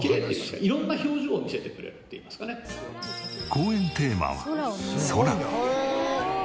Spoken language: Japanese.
講演テーマは空。